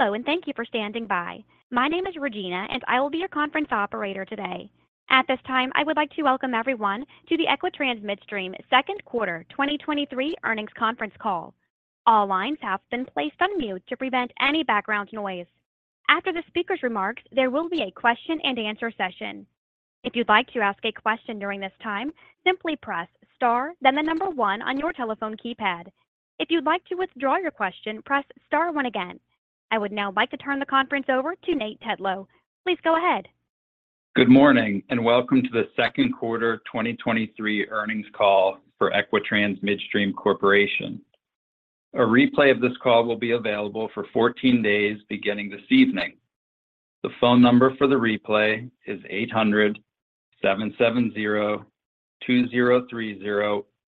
Hello, and thank you for standing by. My name is Regina, and I will be your conference operator today. At this time, I would like to welcome everyone to the Equitrans Midstream Q2 2023 earnings conference call. All lines have been placed on mute to prevent any background noise. After the speaker's remarks, there will be a question-and-answer session. If you'd like to ask a question during this time, simply press Star, then 1 on your telephone keypad. If you'd like to withdraw your question, press Star 1 again. I would now like to turn the conference over to Nate Tetlow. Please go ahead. Good morning, welcome to the Q2 2023 earnings call for Equitrans Midstream Corporation. A replay of this call will be available for 14 days, beginning this evening. The phone number for the replay is 800-770-2030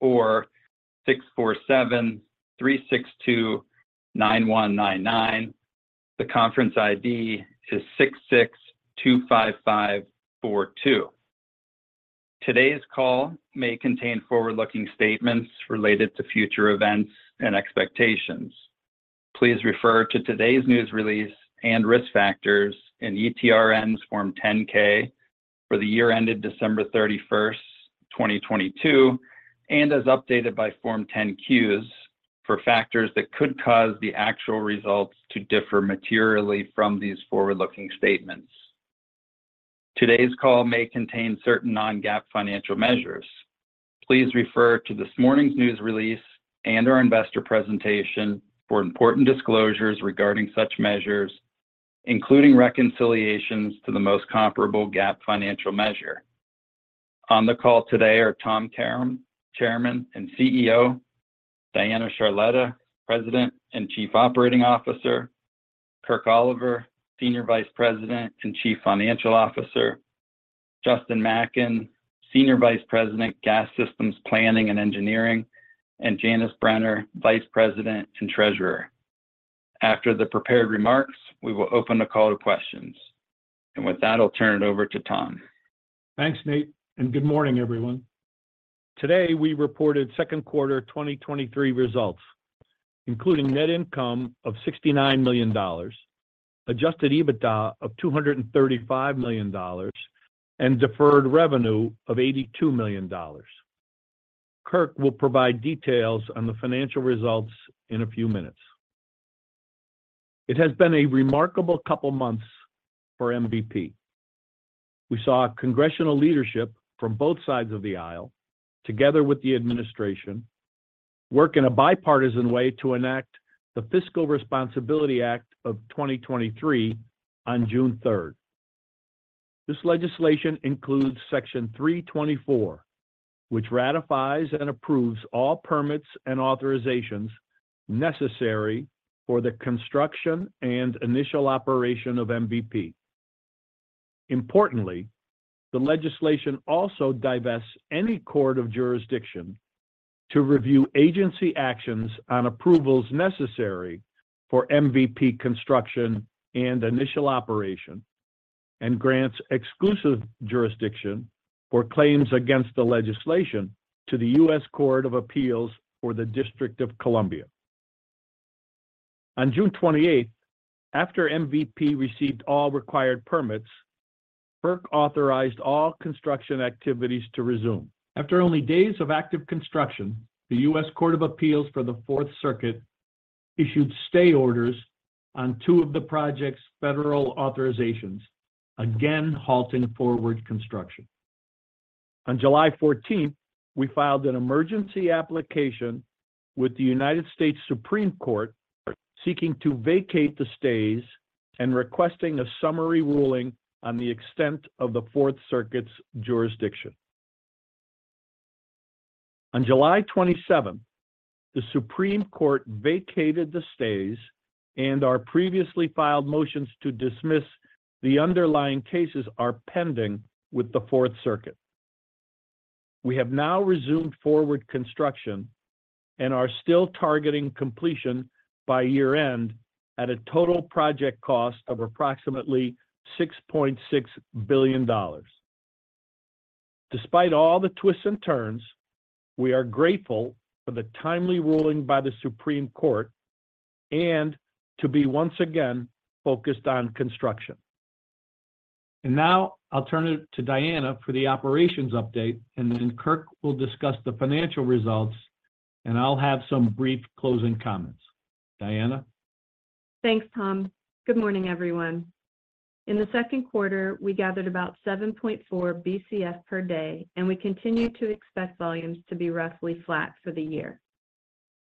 or 647-362-9199. The conference ID is 6625542. Today's call may contain forward-looking statements related to future events and expectations. Please refer to today's news release and risk factors in ETRN's Form 10-K for the year ended December 31st, 2022, and as updated by Form 10-Qs for factors that could cause the actual results to differ materially from these forward-looking statements. Today's call may contain certain non-GAAP financial measures. Please refer to this morning's news release and our investor presentation for important disclosures regarding such measures, including reconciliations to the most comparable GAAP financial measure. On the call today are Tom Karam, Chairman and CEO, Diana Charletta, President and Chief Operating Officer, Kirk Oliver, Senior Vice President and Chief Financial Officer, Justin Mackin, Senior Vice President, Gas Systems Planning and Engineering, and Janice Brenner, Vice President and Treasurer. After the prepared remarks, we will open the call to questions. With that, I'll turn it over to Tom. Thanks, Nate. Good morning, everyone. Today, we reported Q2 2023 results, including net income of $69 million, Adjusted EBITDA of $235 million, and deferred revenue of $82 million. Kirk will provide details on the financial results in a few minutes. It has been a remarkable couple of months for MVP. We saw congressional leadership from both sides of the aisle, together with the administration, work in a bipartisan way to enact the Fiscal Responsibility Act of 2023 on June 3rd. This legislation includes Section 324, which ratifies and approves all permits and authorizations necessary for the construction and initial operation of MVP. Importantly, the legislation also divests any court of jurisdiction to review agency actions on approvals necessary for MVP construction and initial operation, grants exclusive jurisdiction for claims against the legislation to the U.S. Court of Appeals for the District of Columbia. On June 28th, after MVP received all required permits, Kirk authorized all construction activities to resume. After only days of active construction, the U.S. Court of Appeals for the Fourth Circuit issued stay orders on 2 of the project's federal authorizations, again, halting forward construction. On July 14th, we filed an emergency application with the United States Supreme Court, seeking to vacate the stays and requesting a summary ruling on the extent of the Fourth Circuit's jurisdiction. On July 27th, the Supreme Court vacated the stays, and our previously filed motions to dismiss the underlying cases are pending with the Fourth Circuit. We have now resumed forward construction and are still targeting completion by year-end at a total project cost of approximately $6.6 billion. Despite all the twists and turns, we are grateful for the timely ruling by the Supreme Court and to be once again focused on construction. Now I'll turn it to Diana for the operations update, and then Kirk will discuss the financial results, and I'll have some brief closing comments. Diana? Thanks, Tom. Good morning, everyone. In the Q2, we gathered about 7.4 BCF per day, and we continue to expect volumes to be roughly flat for the year.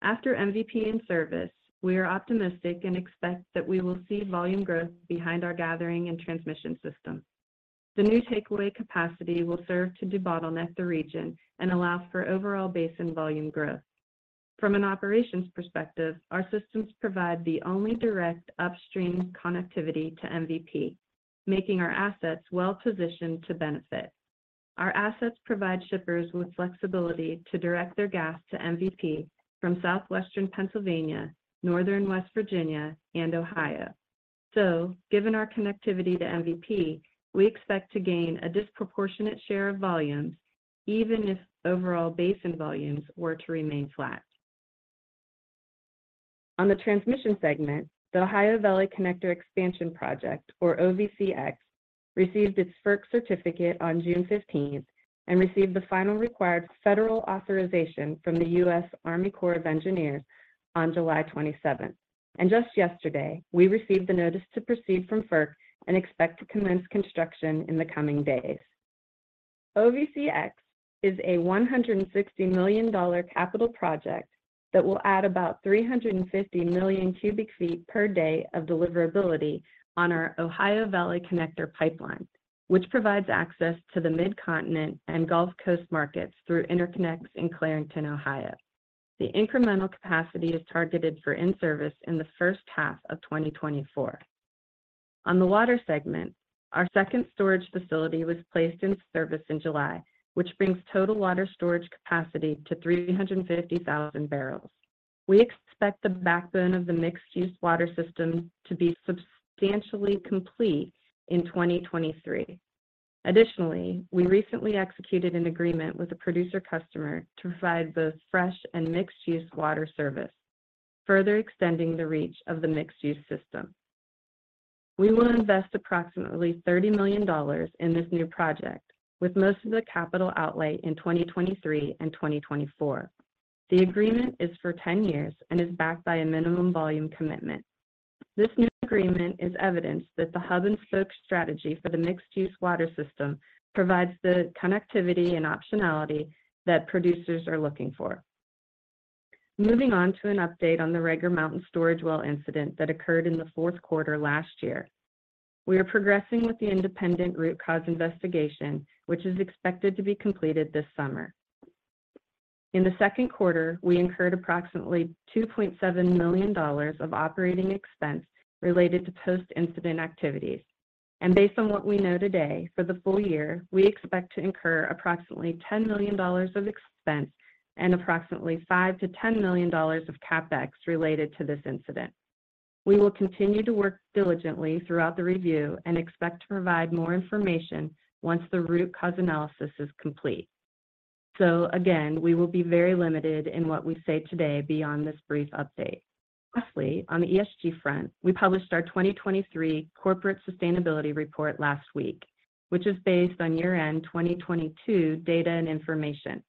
After MVP in service, we are optimistic and expect that we will see volume growth behind our gathering and transmission system. The new takeaway capacity will serve to debottleneck the region and allow for overall basin volume growth. From an operations perspective, our systems provide the only direct upstream connectivity to MVP, making our assets well-positioned to benefit. Our assets provide shippers with flexibility to direct their gas to MVP from Southwestern Pennsylvania, Northern West Virginia, and Ohio. Given our connectivity to MVP, we expect to gain a disproportionate share of volumes... even if overall basin volumes were to remain flat. On the transmission segment, the Ohio Valley Connector Expansion Project, or OVCX, received its FERC certificate on June 15th, and received the final required federal authorization from the United States Army Corps of Engineers on July 27th. Just yesterday, we received the notice to proceed from FERC and expect to commence construction in the coming days. OVCX is a $160 million capital project that will add about 350 million cubic feet per day of deliverability on our Ohio Valley Connector pipeline, which provides access to the Midcontinent and Gulf Coast markets through interconnects in Clarington, Ohio. The incremental capacity is targeted for in-service in the first half of 2024. On the water segment, our second storage facility was placed in service in July, which brings total water storage capacity to 350,000 barrels. We expect the backbone of the mixed-use water system to be substantially complete in 2023. Additionally, we recently executed an agreement with a producer customer to provide both fresh and mixed-use water service, further extending the reach of the mixed-use system. We will invest approximately $30 million in this new project, with most of the capital outlay in 2023 and 2024. The agreement is for 10 years and is backed by a minimum volume commitment. This new agreement is evidence that the hub and spoke strategy for the mixed-use water system provides the connectivity and optionality that producers are looking for. Moving on to an update on the Rager Mountain storage well incident that occurred in the Q4 last year. We are progressing with the independent root cause investigation, which is expected to be completed this summer. In the Q2, we incurred approximately $2.7 million of OpEx related to post-incident activities. Based on what we know today, for the full year, we expect to incur approximately $10 million of expense and approximately $5 million-$10 million of CapEx related to this incident. We will continue to work diligently throughout the review and expect to provide more information once the root cause analysis is complete. Again, we will be very limited in what we say today beyond this brief update. Lastly, on the ESG front, we published our 2023 Corporate Sustainability Report last week, which is based on year-end 2022 data and information.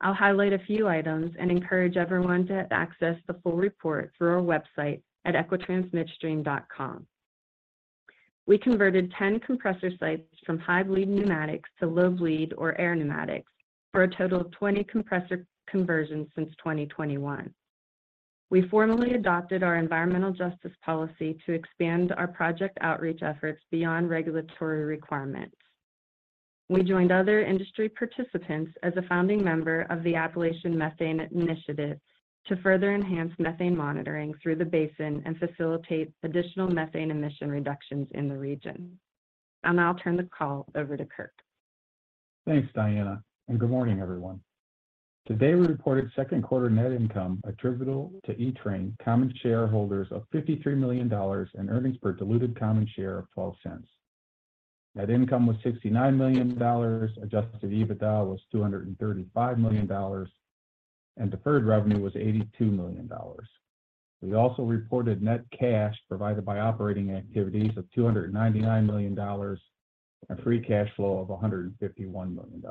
I'll highlight a few items and encourage everyone to access the full report through our website at equitransmidstream.com. We converted 10 compressor sites from high-bleed pneumatics to low-bleed or air pneumatics, for a total of 20 compressor conversions since 2021. We formally adopted our environmental justice policy to expand our project outreach efforts beyond regulatory requirements. We joined other industry participants as a founding member of the Appalachian Methane Initiative to further enhance methane monitoring through the basin and facilitate additional methane emission reductions in the region. I'll now turn the call over to Kirk. Thanks, Diana, good morning, everyone. Today, we reported Q2 net income attributable to ETRN common shareholders of $53 million and earnings per diluted common share of $0.12. Net income was $69 million, Adjusted EBITDA was $235 million, and deferred revenue was $82 million. We also reported net cash provided by operating activities of $299 million and free cash flow of $151 million.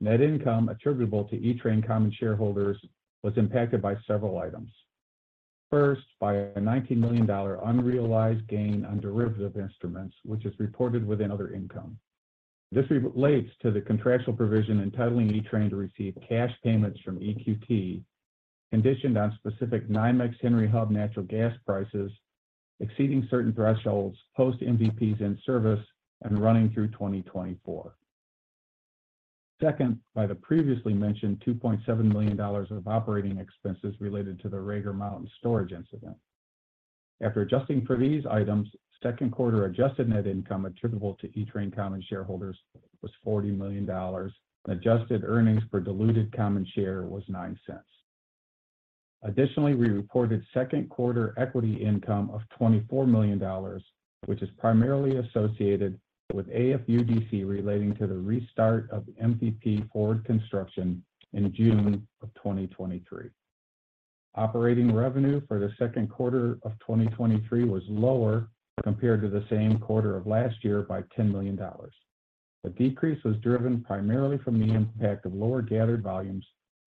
Net income attributable to ETRN common shareholders was impacted by several items. First, by a $19 million unrealized gain on derivative instruments, which is reported within other income. This relates to the contractual provision entitling ETRN to receive cash payments from EQT Corporation, conditioned on specific NYMEX Henry Hub natural gas prices exceeding certain thresholds, post-MVP in service and running through 2024. Second, by the previously mentioned $2.7 million of operating expenses related to the Rager Mountain storage incident. After adjusting for these items, Q2 adjusted net income attributable to ETRN common shareholders was $40 million. Adjusted earnings per diluted common share was $0.09. Additionally, we reported Q2 equity income of $24 million, which is primarily associated with AFUDC relating to the restart of MVP forward construction in June of 2023. Operating revenue for the Q2 of 2023 was lower compared to the same quarter of last year by $10 million. The decrease was driven primarily from the impact of lower gathered volumes,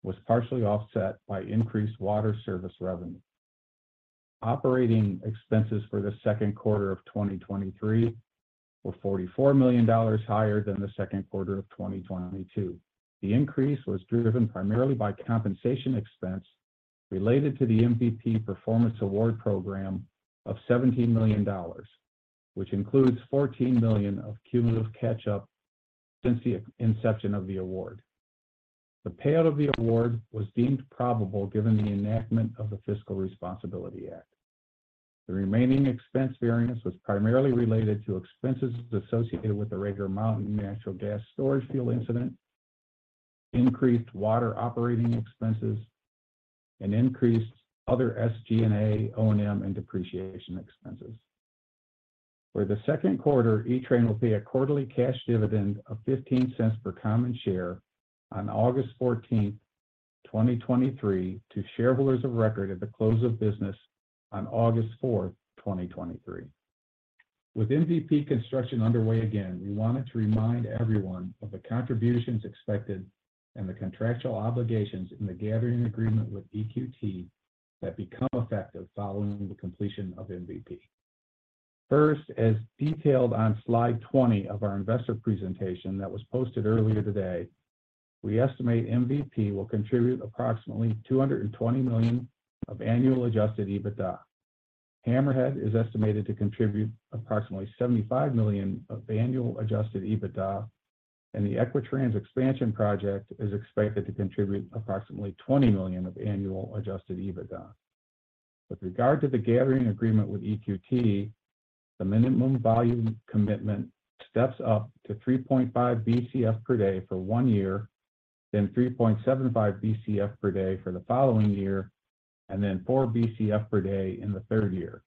was partially offset by increased water service revenue. Operating expenses for the Q2 of 2023 were $44 million higher than the Q2 of 2022. The increase was driven primarily by compensation expense related to the MVP performance award program of $17 million, which includes $14 million of cumulative catch-up since the inception of the award. The payout of the award was deemed probable given the enactment of the Fiscal Responsibility Act. The remaining expense variance was primarily related to expenses associated with the Rager Mountain Natural Gas Storage Field incident, increased water operating expenses, and increased other SG&A, O&M, and depreciation expenses. For the Q2, ETRN will pay a quarterly cash dividend of $0.15 per common share on August 14, 2023, to shareholders of record at the close of business on August 4, 2023. With MVP construction underway again, we wanted to remind everyone of the contributions expected and the contractual obligations in the gathering agreement with EQT that become effective following the completion of MVP. First, as detailed on slide 20 of our investor presentation that was posted earlier today, we estimate Mountain Valley Pipeline will contribute approximately $220 million of annual Adjusted EBITDA. Hammerhead is estimated to contribute approximately $75 million of annual Adjusted EBITDA, and the Equitrans Expansion Project is expected to contribute approximately $20 million of annual Adjusted EBITDA. With regard to the gathering agreement with EQT, the minimum volume commitment steps up to 3.5 BCF per day for one year, then 3.75 BCF per day for the following year, and then 4 BCF per day in the third year.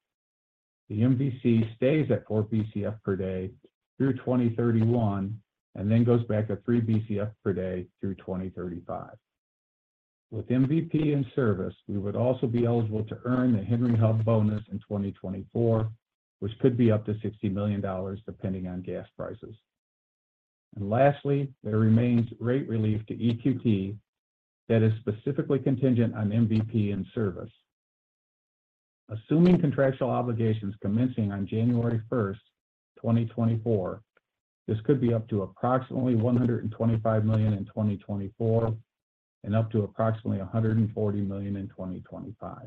The MVC stays at 4 BCF per day through 2031, and then goes back to 3 BCF per day through 2035. With MVP in service, we would also be eligible to earn the Henry Hub bonus in 2024, which could be up to $60 million, depending on gas prices. Lastly, there remains rate relief to EQT that is specifically contingent on MVP in service. Assuming contractual obligations commencing on January 1st, 2024, this could be up to approximately $125 million in 2024, and up to approximately $140 million in 2025.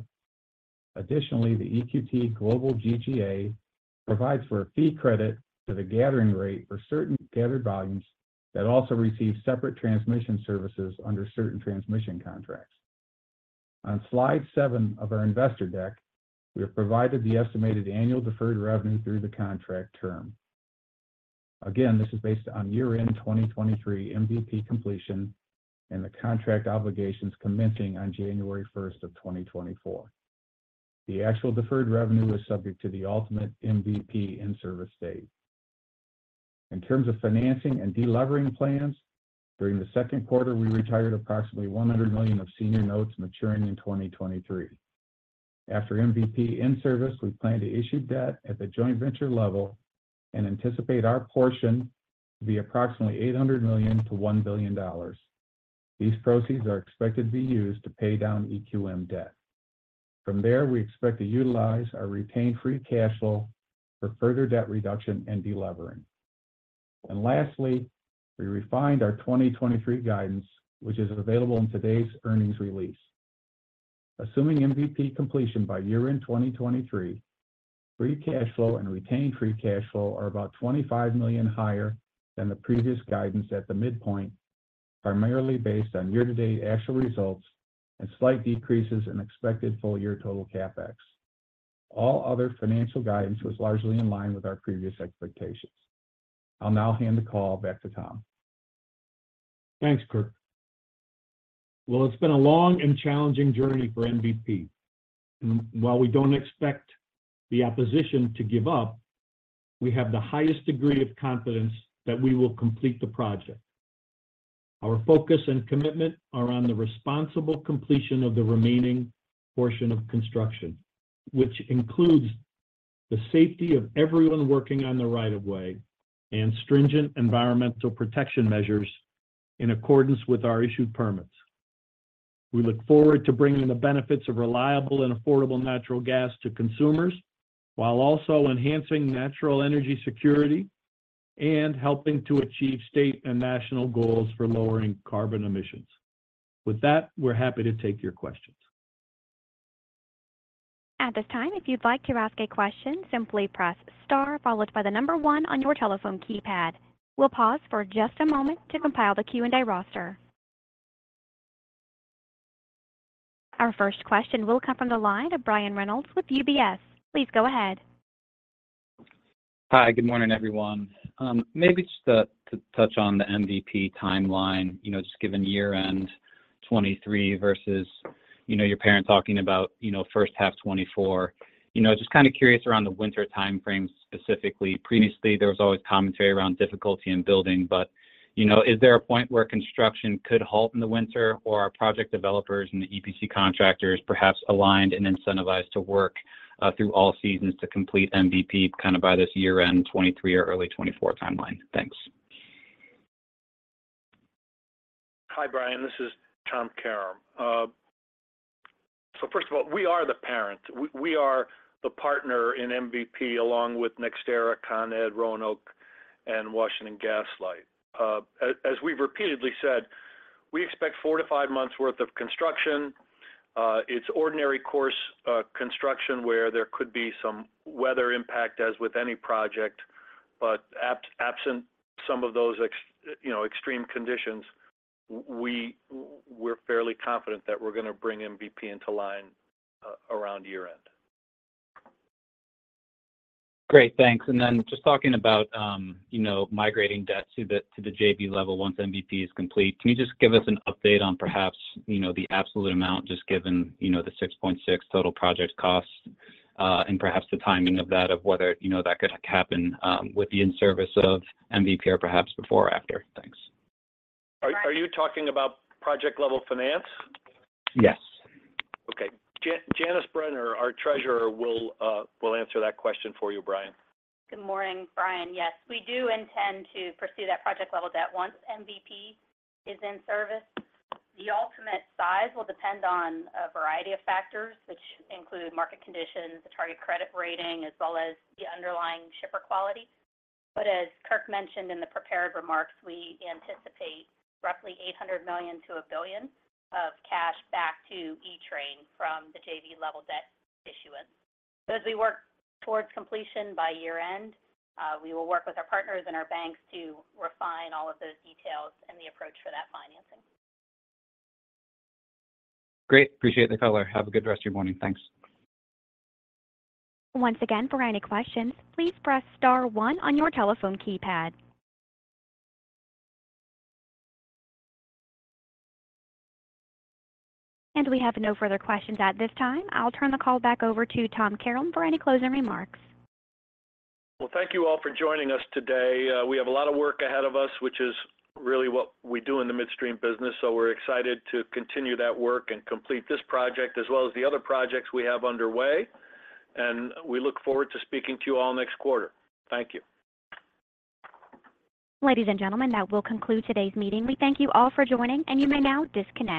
Additionally, the EQT Global GGA provides for a fee credit to the gathering rate for certain gathered volumes that also receive separate transmission services under certain transmission contracts. On slide 7 of our investor deck, we have provided the estimated annual deferred revenue through the contract term. Again, this is based on year-end 2023 MVP completion and the contract obligations commencing on January 1st, 2024. The actual deferred revenue is subject to the ultimate MVP in-service date. In terms of financing and de-levering plans, during the Q2, we retired approximately $100 million of senior notes maturing in 2023. After MVP in service, we plan to issue debt at the joint venture level and anticipate our portion to be approximately $800 million-$1 billion. These proceeds are expected to be used to pay down EQM debt. From there, we expect to utilize our retained free cash flow for further debt reduction and de-levering. Lastly, we refined our 2023 guidance, which is available in today's earnings release. Assuming MVP completion by year-end 2023, free cash flow and retained free cash flow are about $25 million higher than the previous guidance at the midpoint, primarily based on year-to-date actual results and slight decreases in expected full-year total CapEx. All other financial guidance was largely in line with our previous expectations. I'll now hand the call back to Tom. Thanks, Kirk. Well, it's been a long and challenging journey for MVP, while we don't expect the opposition to give up, we have the highest degree of confidence that we will complete the project. Our focus and commitment are on the responsible completion of the remaining portion of construction, which includes the safety of everyone working on the right of way and stringent environmental protection measures in accordance with our issued permits. We look forward to bringing the benefits of reliable and affordable natural gas to consumers, while also enhancing natural energy security and helping to achieve state and national goals for lowering carbon emissions. With that, we're happy to take your questions. At this time, if you'd like to ask a question, simply press star followed by the number one on your telephone keypad. We'll pause for just a moment to compile the Q&A roster. Our first question will come from the line of Brian Reynolds with UBS. Please go ahead. Hi, good morning, everyone. Maybe just to, to touch on the MVP timeline, you know, just given year-end 2023 versus, you know, your parent talking about, you know, first half 2024. You know, just kind of curious around the winter timeframe, specifically. Previously, there was always commentary around difficulty in building, but, you know, is there a point where construction could halt in the winter? Or are project developers and the EPC contractors perhaps aligned and incentivized to work through all seasons to complete MVP, kind of by this year-end 2023 or early 2024 timeline? Thanks. Hi, Brian, this is Tom Karam. First of all, we are the parent. We, we are the partner in MVP, along with NextEra, Con Ed, Roanoke, and Washington Gas Light. As, as we've repeatedly said, we expect four to five months worth of construction. It's ordinary course, construction, where there could be some weather impact, as with any project. But absent some of those, you know, extreme conditions, we're fairly confident that we're going to bring MVP into line around year-end. Great, thanks. Just talking about, you know, migrating debt to the JV level once MVP is complete, can you just give us an update on perhaps, you know, the absolute amount, just given, you know, the $6.6 total project cost, and perhaps the timing of that, of whether, you know, that could happen with the in-service of MVP, or perhaps before or after? Thanks. Are you talking about project-level finance? Yes. Okay. Janice Brenner, our treasurer, will, will answer that question for you, Brian. Good morning, Brian. Yes, we do intend to pursue that project-level debt once MVP is in service. The ultimate size will depend on a variety of factors, which include market conditions, the target credit rating, as well as the underlying shipper quality. As Kirk mentioned in the prepared remarks, we anticipate roughly $800 million-$1 billion of cash back to ETRN from the JV-level debt issuance. As we work towards completion by year-end, we will work with our partners and our banks to refine all of those details and the approach for that financing. Great. Appreciate the color. Have a good rest of your morning. Thanks. Once again, for any questions, please press star one on your telephone keypad. We have no further questions at this time. I'll turn the call back over to Tom Karam for any closing remarks. Well, thank you all for joining us today. We have a lot of work ahead of us, which is really what we do in the midstream business, so we're excited to continue that work and complete this project, as well as the other projects we have underway. We look forward to speaking to you all next quarter. Thank you. Ladies and gentlemen, that will conclude today's meeting. We thank you all for joining, and you may now disconnect.